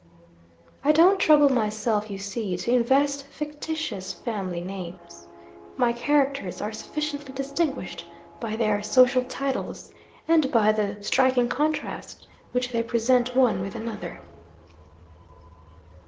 'I don't trouble myself, you see, to invest fictitious family names. My characters are sufficiently distinguished by their social titles, and by the striking contrast which they present one with another.